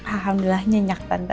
alhamdulillah nyenyak tante